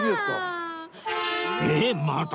えっまた！？